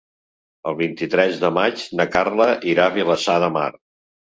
El vint-i-tres de maig na Carla irà a Vilassar de Mar.